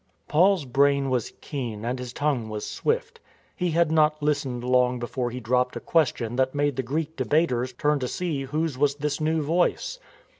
Paul's brain was keen and his tongue was swift. He had not listened long before he dropped a question that made the Greek debaters turn to see whose was this new voice.